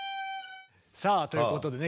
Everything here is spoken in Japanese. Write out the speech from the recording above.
さあということでね